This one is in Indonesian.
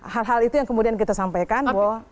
hal hal itu yang kemudian kita sampaikan bahwa